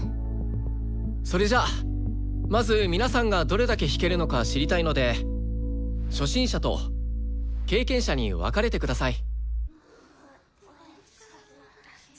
それじゃあまず皆さんがどれだけ弾けるのか知りたいので初心者と経験者に分かれてください。